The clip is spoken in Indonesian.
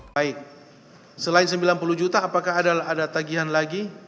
baik selain sembilan puluh juta apakah ada tagihan lagi